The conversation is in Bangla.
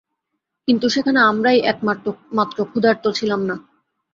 কিন্তু সেখানে আমরাই একমাত্র ক্ষুধার্ত ছিলাম না।